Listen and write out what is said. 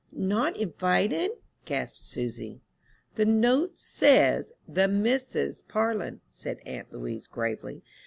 "Not invited?" gasped Susy. "The note says, 'the Misses Parlin,'" said aunt Louise, gravely.